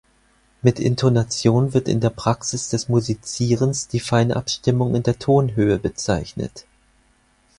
Mit Intonation wird in der Praxis des Musizierens die Feinabstimmung in der Tonhöhe bezeichnet.